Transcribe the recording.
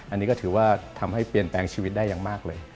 อันนี้ก็ถือว่าทำให้เปลี่ยนแปลงชีวิตได้อย่างมากเลย